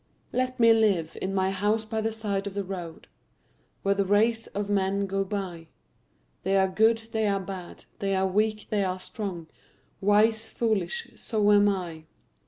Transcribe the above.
Let me live in my house by the side of the road, Where the race of men go by They are good, they are bad, they are weak, they are strong, Wise, foolish so am I.